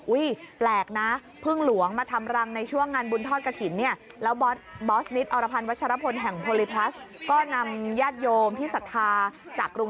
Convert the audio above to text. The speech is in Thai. อุ๊ยแปลกนะพึ่งหลวงมาทำรังในช่วงงานบุญทอดกะถิน